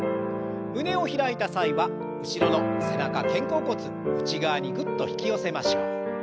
胸を開いた際は後ろの背中肩甲骨内側にグッと引き寄せましょう。